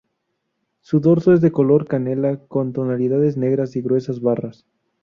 Su dorso es de color canela con tonalidades negras y gruesas barras.